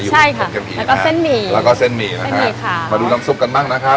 ใช่ค่ะแล้วก็เส้นหมี่แล้วก็เส้นหมี่นะฮะใช่ค่ะมาดูน้ำซุปกันบ้างนะครับ